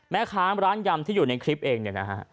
แม่ค้าร้านยำที่อยู่ในคลิปเองเนี่ยนะฮะ